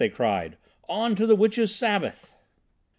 they cried. "On to the Witches' Sabbath!"